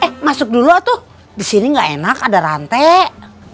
eh masuk dulu tuh disini gak enak ada rantai